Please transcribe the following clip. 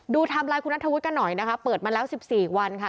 ดูทำลายคุณณธวุฒิกันหน่อยนะคะเปิดมาแล้วสิบสี่วันค่ะ